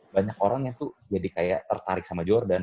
banyak orang yang tuh jadi kayak tertarik sama jordan